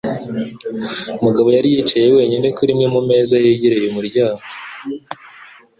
Mugabo yari yicaye wenyine kuri imwe mu meza yegereye umuryango.